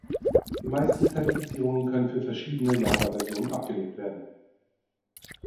Die meisten Zertifizierungen können für verschiedene Java-Versionen abgelegt werden.